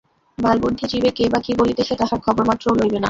বালবুদ্ধি জীবে কে বা কি বলিতেছে, তাহার খবরমাত্রও লইবে না।